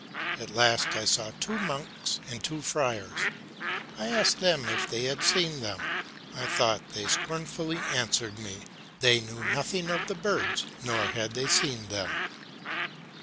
At last I saw two monks and two friars ; I asked them if they had seen them. I thought they scornfully answered me, " They knew nothing of the birds, nor had they seen them."